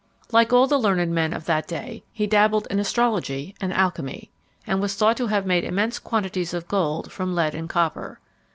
Like all the learned men of that day, he dabbled in astrology and alchymy, and was thought to have made immense quantities of gold from lead and copper.